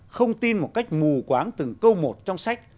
không tin một cách mù quáng từng câu một trong sách